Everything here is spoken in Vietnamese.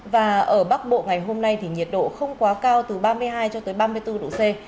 và ở bắc bộ ngày hôm nay thì nhiệt độ không quá cao từ ba mươi hai cho tới ba mươi bốn độ c